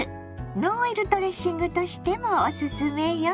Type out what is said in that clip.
ノンオイルドレッシングとしてもオススメよ。